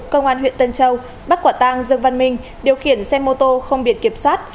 cơ quan huyện tân châu bắt quả tang dương văn minh điều khiển xe mô tô không biệt kiểm soát